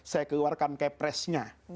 saya keluarkan kepresnya